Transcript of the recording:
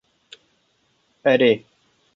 Erê.